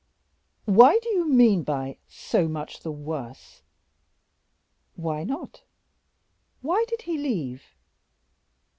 "Why do you mean by 'so much the worse'?" "Why not? why did he leave?"